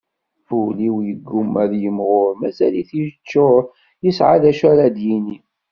Ul-iw yegguma ad yemɣur, mazal-it yeččur, yesɛa d acu ara d-yini.